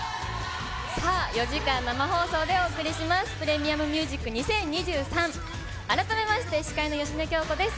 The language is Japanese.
さあ、４時間生放送でお送りします、ＰｒｅｍｉｕｍＭｕｓｉｃ２０２３、改めまして、司会の芳根京子です。